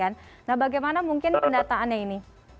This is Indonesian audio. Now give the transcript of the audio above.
nah bagaimana mungkin pendataannya ini